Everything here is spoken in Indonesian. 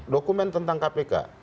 dokumen tentang kpk